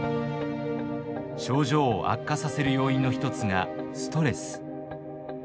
症状を悪化させる要因の一つがストレス。